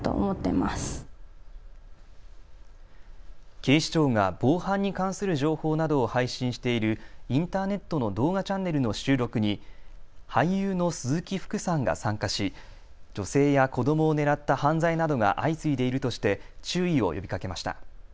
警視庁が防犯に関する情報などを配信しているインターネットの動画チャンネルの収録に俳優の鈴木福さんが参加し女性や子どもを狙った犯罪などが相次いでいるとして注意を呼びかけました。